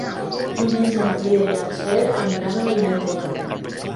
Diumenge na Frida i na Txell aniran a la biblioteca.